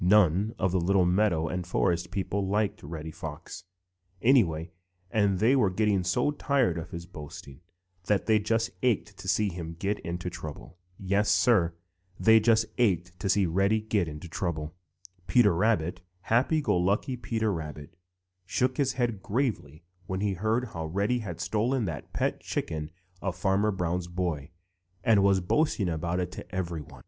None of the little meadow and forest people liked Reddy Fox, anyway, and they were getting so tired of his boasting that they just ached to see him get into trouble. Yes, Sir, they just ached to see Reddy get into trouble. Peter Rabbit, happy go lucky Peter Rabbit, shook his head gravely when he heard how Reddy had stolen that pet chicken of Farmer Brown's boy, and was boasting about it to everyone.